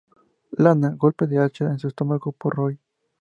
Lana: Golpe de hacha en su estómago por Roy.